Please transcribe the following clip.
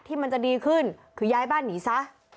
มันจะดีขึ้นคือย้ายบ้านหนีซะ